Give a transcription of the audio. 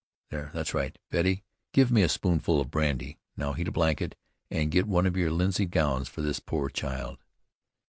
There, that's right. Betty, give me a spoonful of brandy. Now heat a blanket, and get one of your linsey gowns for this poor child."